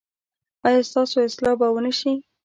ایا ستاسو اصلاح به و نه شي؟